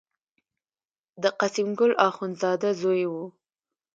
د قسیم ګل اخوندزاده زوی و.